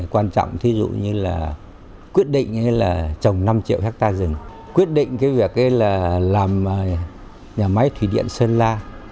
quan trọng thí dụ như là quyết định trồng năm triệu hectare rừng quyết định việc làm nhà máy thủy điện sơn la